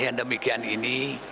yang demikian ini